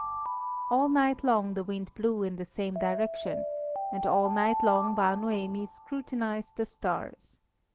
All night long the wind blew in the same direction, and all night long Bar Noemi scrutinized the stars.